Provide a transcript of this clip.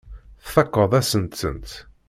Tfakkeḍ-asen-tent.